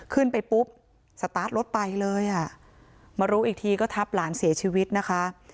ขึ้นไปปุ๊บสตาร์ทรถไปเลยอ่ะมารู้อีกทีก็ทับหลานเสียชีวิตนะคะ